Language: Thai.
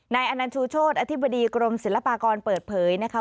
อนันชูโชธอธิบดีกรมศิลปากรเปิดเผยนะคะ